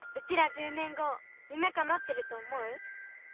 ちら１０年後夢かなってると思う？